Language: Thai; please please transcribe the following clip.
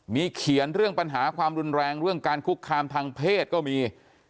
มีเขียนเรื่องปัญหาความรุนแรงเรื่องการคุกคามทางเพศก็มี